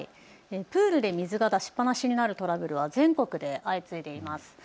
プールで水が出しっぱなしになるトラブルは全国で相次いでいます。